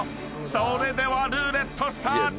［それではルーレットスタート！］